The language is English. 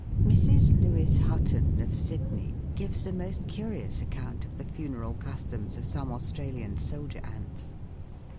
Mrs. Lewis Hutton, of Sydney, gives a most curious account of the funeral customs of some Australian soldier ants.